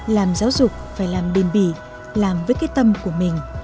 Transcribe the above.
làm giáo dục phải làm bền bỉ làm với cái tâm của mình